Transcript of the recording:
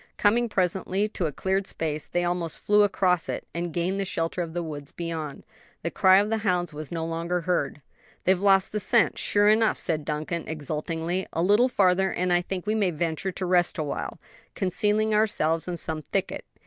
Coming presently to a cleared space, they almost flew across it, and gained the shelter of the woods beyond. The cry of the hounds was no longer heard. "They've lost the scent, sure enough," said Duncan, exultingly; "a little farther and I think we may venture to rest awhile, concealing ourselves in some thicket.